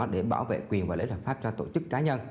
để bảo vệ quyền và lễ lập pháp cho tổ chức cá nhân